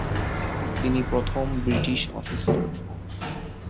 তিনি প্রথম British officer.